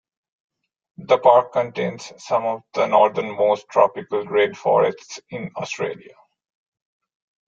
The park contains some of the northernmost tropical rainforests in Australia.